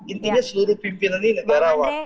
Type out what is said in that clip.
intinya seluruh pimpinan ini negara awal